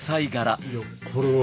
いやこれは。